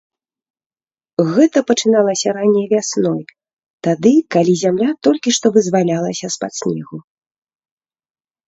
Гэта пачыналася ранняй вясной, тады, калі зямля толькі што вызвалялася з-пад снегу.